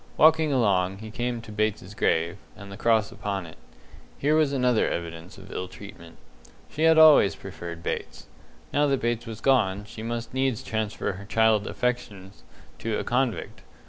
Walking along, he came to Bates's grave, and the cross upon it. Here was another evidence of ill treatment. She had always preferred Bates. Now that Bates was gone, she must needs transfer her childish affections to a convict.